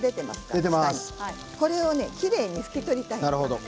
これを、きれいに拭き取ります。